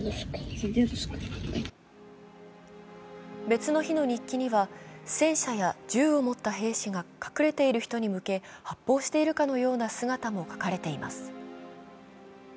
別の日の日記には、戦車や銃を持った兵士が隠れている人に向け発砲しているかのような姿も描かれています。